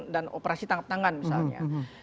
dan operasi tangkap tangan misalnya